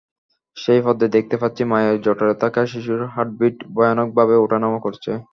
সেই পর্দায় দেখতে পাচ্ছি মায়ের জঠরে থাকা শিশুর হার্টবিট ভয়ানকভাবে ওঠানামা করছে।